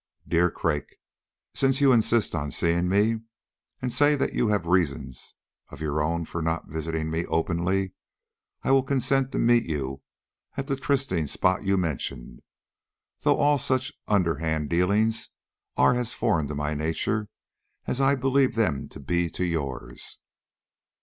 "DEAR CRAIK, Since you insist upon seeing me, and say that you have reasons of your own for not visiting me openly, I will consent to meet you at the trysting spot you mention, though all such underhand dealings are as foreign to my nature as I believe them to be to yours.